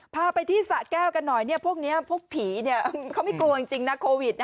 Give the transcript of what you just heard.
พาไปที่สะแก้วกันหน่อยเนี่ยพวกพวกผีเนี่ยเขาไม่กลัวจริงนะโควิด